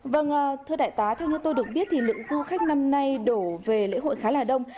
vâng thưa đại tá theo như tôi được biết thì lượng du khách năm nay đổ về lễ hội khá là đông